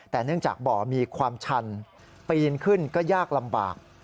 แต่เนื่องจากบ่อมีความชันปีนขึ้นก็ยากลำบาก